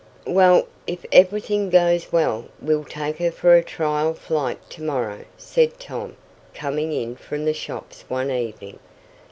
"Well, if everything goes well, we'll take her for a trial flight to morrow," said Tom, coming in from the shops one evening.